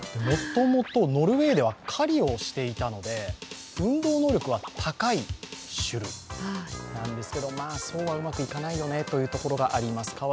もともとノルウェーでは狩りをしていたので運動能力は高い種類なんですけど、そうはうまくいかないよねというところがあります。